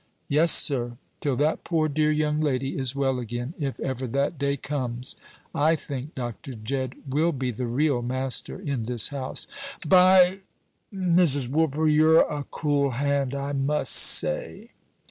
"Yes, sir. Till that poor dear young lady is well again, if ever that day comes, I think Dr. Jedd will be the real master in this house." "By ! Mrs. Woolper, you're a cool hand, I must say!"